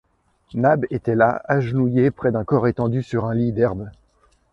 Nab était là, agenouillé près d’un corps étendu sur un lit d’herbes...